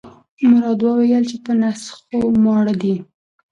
مراد وویل چې په نس خو ماړه دي.